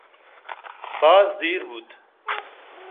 باز دیر بوت